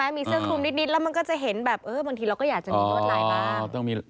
มีเสื้อคลุมนิดแล้วมันก็จะเห็นแบบบางทีเราก็อยากจะมีรวดลายบ้าง